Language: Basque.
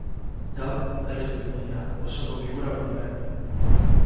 Gaur, berriz bilduko dira, osoko bilkura baino lehen.